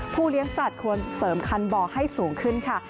เลี้ยงสัตว์ควรเสริมคันบ่อให้สูงขึ้นค่ะ